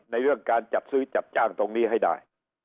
เรื่องการจัดซื้อจัดจ้างตรงนี้ให้ได้